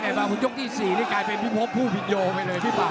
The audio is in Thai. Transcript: ในยกที่๔กลายเป็นพิโภปผู้ผิดโยชน์ไปเลยพี่ป๊า